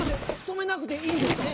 とめなくていいんですか？